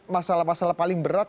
masalah masalah paling berat